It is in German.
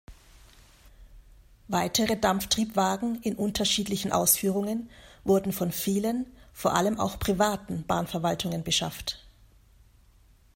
Weitere Dampftriebwagen in unterschiedlichen Ausführungen wurden von vielen, vor allem auch privaten Bahnverwaltungen beschafft.